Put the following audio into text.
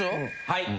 はい。